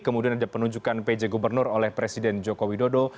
kemudian ada penunjukan pj gubernur oleh presiden joko widodo